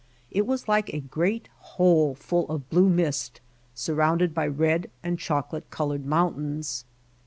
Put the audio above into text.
It was like a great hole full of blue mist, surrounded by red and chocolate colored mountains.